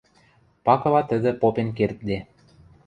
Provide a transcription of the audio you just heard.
Пакыла тӹдӹ попен кердде.